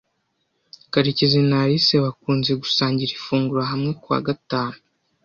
Karekezi na Alice bakunze gusangira ifunguro hamwe kuwa gatanu.